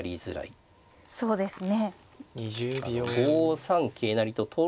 まあそうですね